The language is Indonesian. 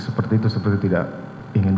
seperti itu seperti tidak ingin